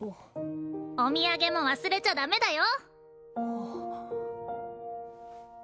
お土産も忘れちゃダメだよ